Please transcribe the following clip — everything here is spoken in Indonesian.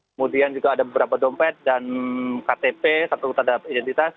kemudian juga ada beberapa dompet dan ktp satu tanda identitas